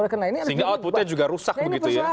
sehingga outputnya juga rusak begitu ya